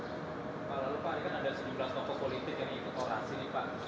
yang itu koalisi dipakai